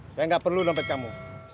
saya nggak perlu dompet kamu